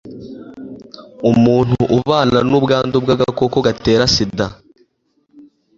umuntu ubana n'ubwandu bw'agakoko gatera sida